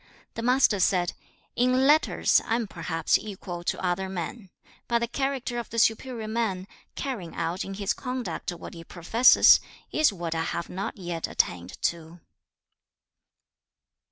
The Master said, 'In letters I am perhaps equal to other men, but the character of the superior man, carrying out in his conduct what he professes, is what I have not yet attained to.'